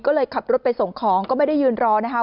ก็เลยขับรถไปส่งของก็ไม่ได้ยืนรอนะคะ